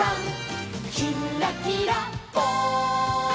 「きんらきらぽん」